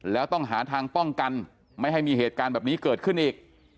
แล้วต้องหาทางป้องกันไม่ให้มีเหตุการณ์แบบนี้เกิดขึ้นอีก